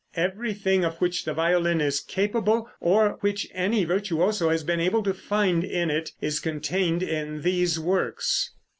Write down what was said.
Everything of which the violin is capable, or which any virtuoso has been able to find in it, is contained in these works.